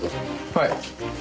はい。